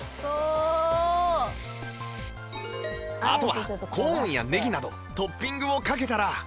あとはコーンやねぎなどトッピングをかけたら